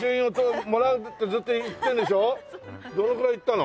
どのくらい行ったの？